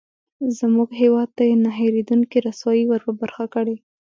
زموږ هېواد ته یې نه هېرېدونکې رسوایي ورپه برخه کړې.